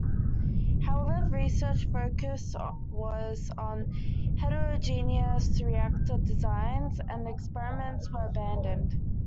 However, research focus was on heterogeneous reactor designs and the experiments were abandoned.